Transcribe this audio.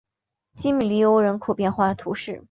基米利欧人口变化图示